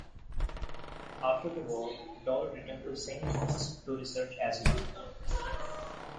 After the war, Doll returned to Saint Thomas' to research asthma.